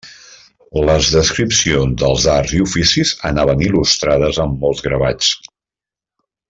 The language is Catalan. Les descripcions dels arts i oficis anaven il·lustrades amb molts gravats.